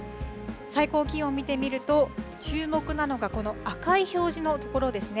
最高気温見てみると、注目なのが、この赤い表示の所ですね。